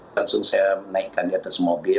langsung saya menaikkan di atas mobil